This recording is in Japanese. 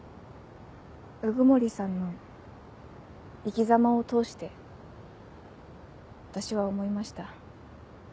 鵜久森さんの生きざまを通して私は思いました。